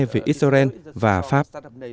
của israel và pháp